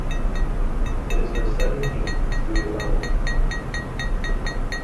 It is her seventeenth studio album.